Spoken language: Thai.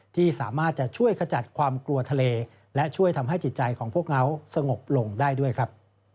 ที่สามารถจะช่วยขจัดความกลัวทะเลและช่วยทำให้จิตใจของพวกเขาสงบลงได้ด้วยครับ